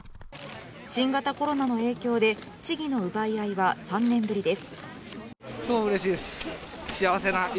新型コロナの影響で千木の奪い合いは３年ぶりです。